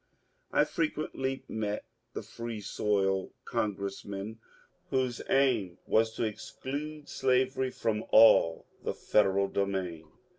I frequently met the ^^ Freesoil " congressmen, whose aim was to exclude slavery from all the Federal domain.